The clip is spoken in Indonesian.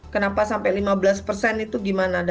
kenapa sampai lima belas persen itu gimana